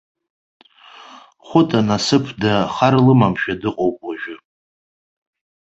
Хәыта насыԥда хар лымамшәа дыҟоуп уажәы.